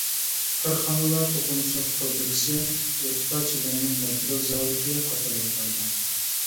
كارخانىلار توقۇمىچىلىق فابرىكىسى، ئوتقا چىداملىق ماتېرىيال زاۋۇتى قاتارلىقلار بار.